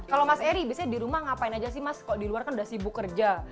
kalau mas eri biasanya di rumah ngapain aja sih mas kok di luar kan udah sibuk kerja